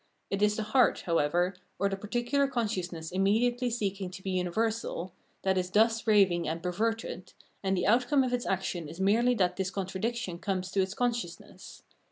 It is the heart, however, or the particular consciousness immediately seeking to be universal, that is thus raving and perverted, and the outcome of its action is merely that this contradiction comes to its consciousness.